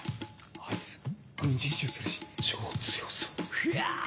あいつ軍人臭するし超強そう。